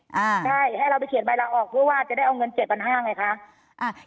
ใช่ให้เราไปเขียนใบลาออกเพื่อว่าจะได้เงิน๗๕๐๐บาท